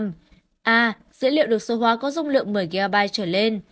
a dữ liệu được số hóa có dung lượng một mươi gb trở lên